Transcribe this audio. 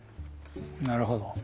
なるほど。